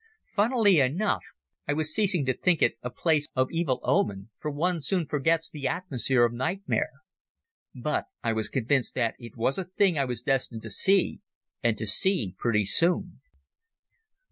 Funnily enough, I was ceasing to think it a place of evil omen, for one soon forgets the atmosphere of nightmare. But I was convinced that it was a thing I was destined to see, and to see pretty soon.